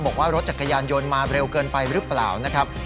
บอกว่ารถจักรยานยนต์มาเร็วเกินไปหรือเปล่านะครับ